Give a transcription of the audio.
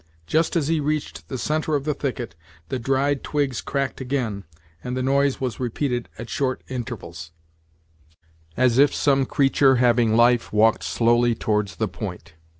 Just as he reached the centre of the thicket the dried twigs cracked again, and the noise was repeated at short intervals, as if some creature having life walked slowly towards the point.